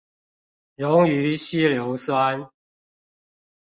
溶於稀硫酸